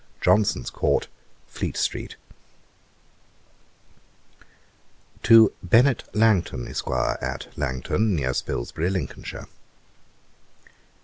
Johnson's court, Fleet street.' 'To BENNET LANGTON, ESQ., AT LANGTON, NEAR SPILSBY, LINCOLNSHIRE.